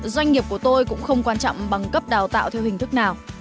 doanh nghiệp của tôi cũng không quan trọng bằng cấp đào tạo theo hình thức nào